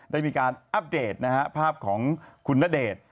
ได้มีการอัปเดตภาพของคุณณเดชน์